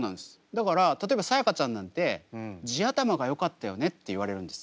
だから例えばさやかちゃんなんて地頭がよかったよねって言われるんです。